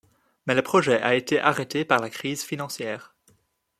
Mais le projet a été arrêté par la crise financière.